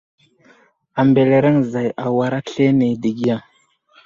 A mbelereŋ zay awar aslane dəgiya.